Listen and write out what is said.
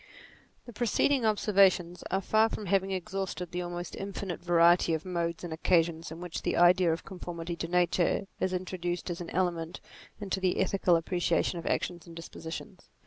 The preceding observations are far from having exhausted the almost infinite variety of modes and occasions in which the idea of conformity to nature is introduced as an element into the ethical appre ciation of actions and dispositions.